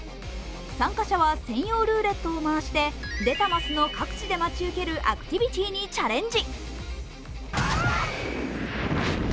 参加者は専用ルーレットを回して出た升の各地で待ち受けるアクティビティーにチャレンジ。